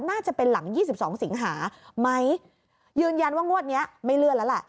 น่าจะเป็นหลัง๒๒สิงหายืนยันว่าโหวตนี้ไม่เลื่อนแล้ว